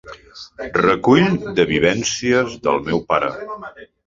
Recull de vivències del meu pare.